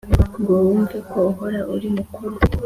ngo wumve ko uhora uri mukuri